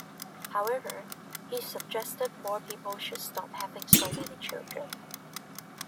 However he suggested poor people should stop having so many children.